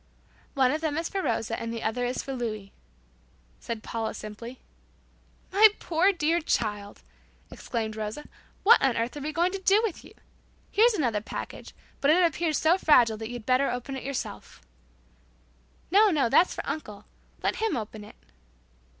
"One of them is for Rosa and the other is for Louis," said Paula simply. "My poor dear child," exclaimed Rosa. "What on earth are we going to do with you! Here's another package, but it appears so fragile that you'd better open it yourself." "No, no; that's for uncle. Let him open it."